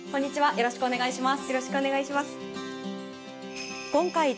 よろしくお願いします。